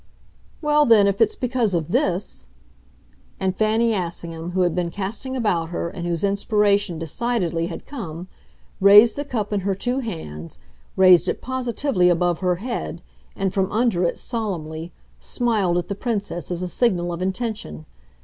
"Well then, if it's because of this !" And Fanny Assingham, who had been casting about her and whose inspiration decidedly had come, raised the cup in her two hands, raised it positively above her head, and from under it, solemnly, smiled at the Princess as a signal of intention.